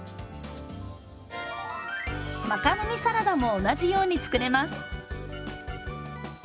マカロニサラダも同じように作れます。